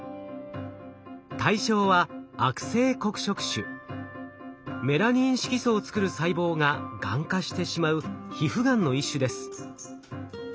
対象はメラニン色素を作る細胞ががん化してしまう皮膚がんの一種です。